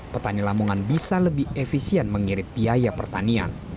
petani lamongan bisa lebih efisien mengirit biaya pertanian